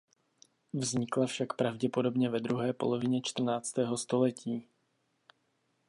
Vznikla však pravděpodobně ve druhé polovině čtrnáctého století.